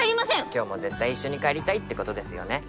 今日も絶対一緒に帰りたいってことですよね